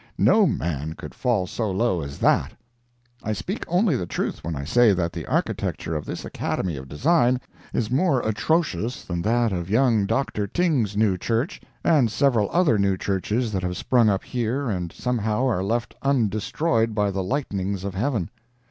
No man could fall so low as that. I speak only the truth when I say that the architecture of this Academy of Design is more atrocious than that of young Dr. Tyng's new church, and several other new churches that have sprung up here, and somehow are left undestroyed by the lightnings of heaven.